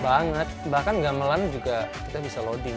banget bahkan gamelan juga kita bisa loading